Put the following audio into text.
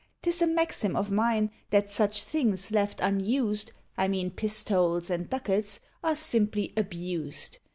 'Tis a maxim of mine that such things left unused, I mean pistoles and ducats, are simply abused.